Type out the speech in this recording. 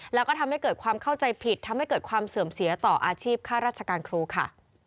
แล้วก็ทำให้เกิดความเข้าใจผิดทำให้เกิดความเสื่อมเสียต่ออาชีพค่าราชการครูค่ะ